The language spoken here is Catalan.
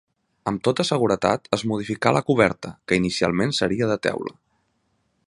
Amb tota seguretat es modificà la coberta, que inicialment seria de teula.